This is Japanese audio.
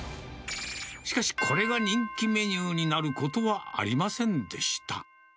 しかしこれが人気メニューになることはありませんでした。